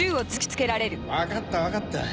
んっ分かった分かった。